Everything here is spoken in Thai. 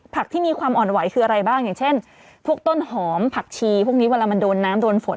ที่มีความอ่อนไหวคืออะไรบ้างอย่างเช่นพวกต้นหอมผักชีพวกนี้เวลามันโดนน้ำโดนฝน